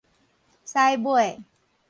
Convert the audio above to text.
屎尾